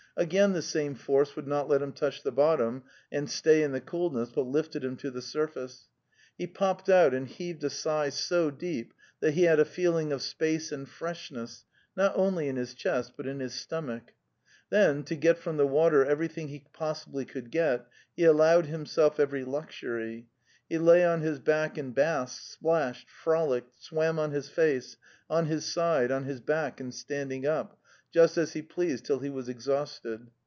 Again the same force would not let him touch the bottom and stay in the cool ness, but lifted him to the surface. He popped out and heaved a sigh so deep that he had a feeling of space and freshness, not only in his chest, but in his stomach. Then, to get from the water every thing he possibly could get, he allowed himself every luxury; he lay on his back and basked, splashed, frolicked, swam on his face, on his side, on his back and standing up — just as he pleased till he was ex hausted.